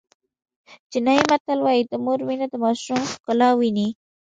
چینایي متل وایي د مور مینه د ماشوم ښکلا ویني.